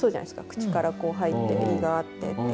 口から入って胃があってっていう。